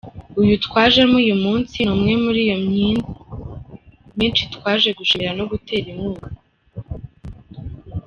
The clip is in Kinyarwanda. Uyu twajemo uyu munsi ni umwe muri iyo myinshi twaje gushima no gutera inkunga.